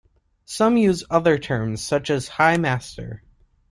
Some use other terms, such as "high master".